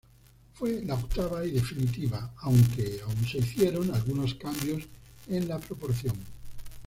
Fue la octava y definitiva, aunque aún se hicieron algunos cambios en la proporción.